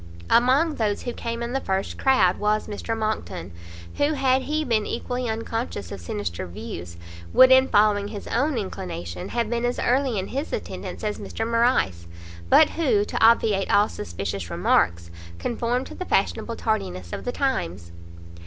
Among those who came in the first crowd was Mr Monckton, who, had he been equally unconscious of sinister views, would in following his own inclination, have been as early in his attendance as Mr Morrice; but who, to obviate all suspicious remarks, conformed to the fashionable tardiness of the times.